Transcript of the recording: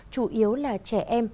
chủ yếu là trẻ em